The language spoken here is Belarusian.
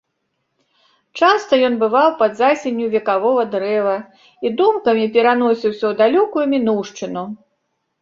Часта ён бываў пад засенню векавога дрэва і думкамі пераносіўся ў далёкую мінуўшчыну.